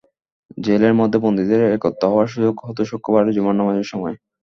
জেলের মধ্যে বন্দীদের একত্র হওয়ার সুযোগ হতো শুক্রবারে জুমার নামাজের সময়।